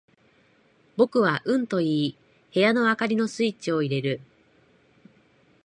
僕はうんと言い、部屋の灯りのスイッチを入れる。